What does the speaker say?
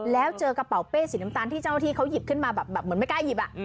แล้วเจอกระเป๋าเป้สีน้ำตาลที่เจ้าหน้าที่เขาหยิบขึ้นมาแบบเหมือนไม่กล้าหยิบ